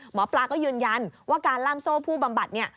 หมอปลาก็ยืนยันว่าการล่ามโซ่ผู้บำบัดเนี่ย